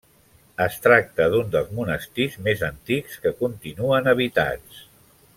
Es tracta d'un dels monestirs més antics que continuen habitats.